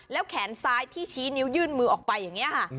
แขนซ้ายที่ชี้นิ้วยื่นมือออกไปอย่างนี้ค่ะ